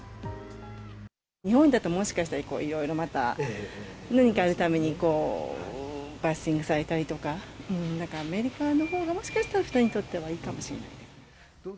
日本だともしかしたら、いろいろまた、何かあるたびにバッシングされたりとか、なんか、アメリカのほうがもしかしたら、２人にとってはいいかもしれない。